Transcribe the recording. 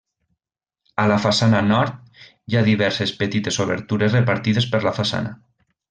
A la façana nord, hi ha diverses petites obertures repartides per la façana.